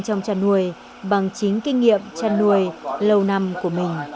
trong chăn nuôi bằng chính kinh nghiệm chăn nuôi lâu năm của mình